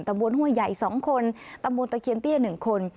บนห้วยใหญ่๒คนตำบลตะเคียนเตี้ย๑คน